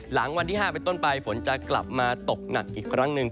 หลังวันที่๕เป็นต้นไปฝนจะกลับมาตกหนักอีกครั้งหนึ่ง